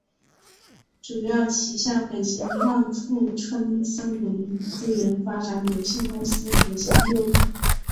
主要旗下北京万富春森林资源发展有限公司核心业务。